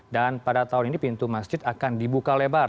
dan pada tahun ini pintu masjid akan dibuka lebar